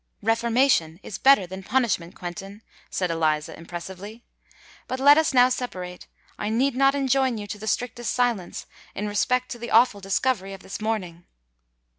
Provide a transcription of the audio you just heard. "Reformation is better than punishment, Quentin," said Eliza, impressively. "But let us now separate. I need not enjoin you to the strictest silence in respect to the awful discovery of this morning."